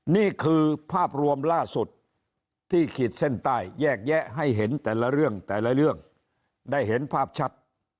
นี่คือภาพรวมล่าสุดที่ขีดเส้นใต้แยกแยะให้เห็นแต่ละเรื่องแต่ละเรื่องได้เห็นภาพชัด